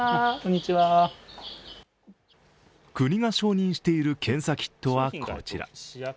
国が承認している検査キットはこちら。